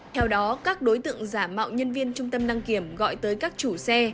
theo đó các đối tượng giả mạo nhân viên trung tâm đăng kiểm gọi tới các chủ xe